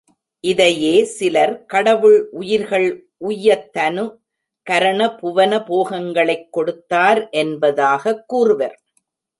இதையே சிலர், கடவுள் உயிர்கள் உய்யத் தனு, கரண, புவன, போகங்களைக் கொடுத்தார் என்பதாகக் கூறுவர்.